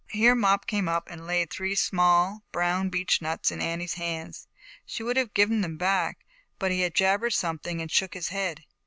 Here Mop came up and laid three small, brown beech nuts in Annie's hands. She would have given them back, but he jabbered something and shook his head.